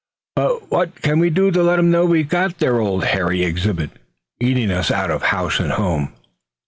"But what can we do to let 'em know we've got their old hairy exhibit eating us out of house and home?"